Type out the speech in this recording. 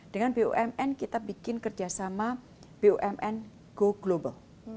dengan bumn kita bikin kerjasama bumn go global